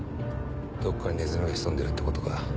どっかにネズミが潜んでるってことか。